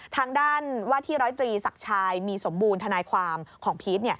ทางด้านว่าที่ร้อยตรีศักดิ์ชายมีสมบูรณ์ทนายความของพีช